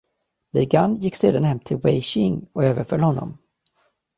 Li Gan gick sedan hem till Wei Qing och överföll honom.